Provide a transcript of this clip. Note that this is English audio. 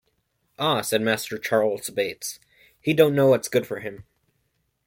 ‘Ah!’ said Master Charles Bates; ‘he don’t know what’s good for him.’